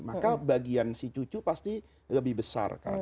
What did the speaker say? maka bagian si cucu pasti lebih besar kan